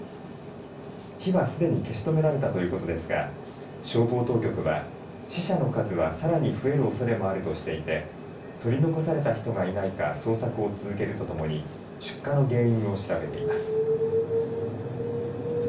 火はすでに消し止められたということですが消防当局は死者の数は、さらに増えるおそれがあるとしていて取り残された人がいないか捜索を続けるとともに出火の原因を調べています。